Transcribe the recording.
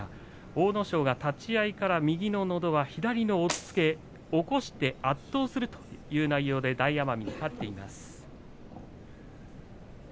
阿武咲が立ち合いから右ののど輪、左の押っつけを起こして圧倒するという内容で大奄美に勝っています。